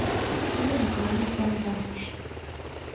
Тиде Миклайым куандарыш.